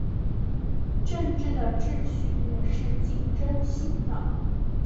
政治的程序也是竞争性的。